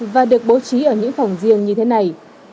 và được bố trí ở những phòng riêng như thế này